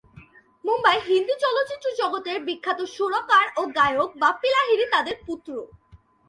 মুম্বাই হিন্দি চলচ্চিত্র জগতের বিখ্যাত সুরকার ও গায়ক বাপ্পী লাহিড়ী তাদের পুত্র।